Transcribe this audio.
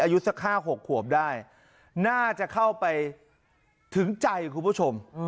อายุสักห้าหกหวบได้น่าจะเข้าไปถึงใจครับคุณผู้ชม